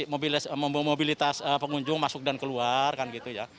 mobil mobilitas pengunjung masuk dan keluar kan gitu ya